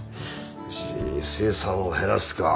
生産を減らすか。